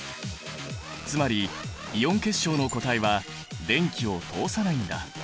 つまりイオン結晶の固体は電気を通さないんだ。